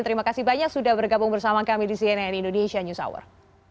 terima kasih banyak sudah bergabung bersama kami di cnn indonesia news hour